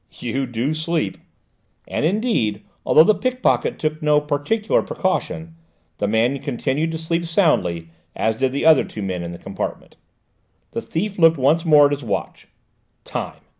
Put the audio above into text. "You do sleep!" And indeed, although the pick pocket took no particular precaution, the man continued to sleep soundly, as did the other two men in the compartment. The thief looked once more at his watch. "Time!"